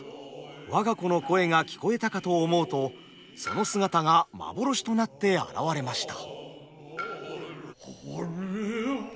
我が子の声が聞こえたかと思うとその姿が幻となって現れました。